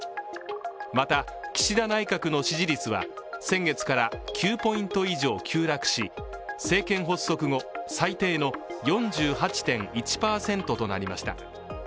また、岸田内閣の支持率は先月から９ポイント以上急落し、政権発足後、最低の４８．１％となりました。